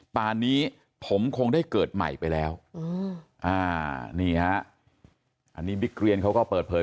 ป่านนี้ผมคงได้เกิดใหม่ไปแล้วนี่ฮะอันนี้บิ๊กเรียนเขาก็เปิดเผย